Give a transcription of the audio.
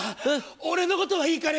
俺のことはいいから行け！